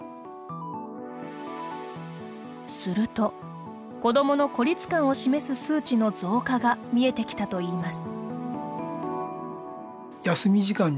すると、子どもの孤立感を示す数値の増加が見えてきたといいます。